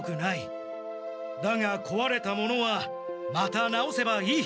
だがこわれたものはまた直せばいい。